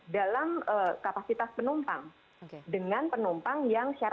hal ini areanya